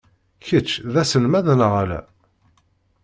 Kečč d aselmad neɣ ala?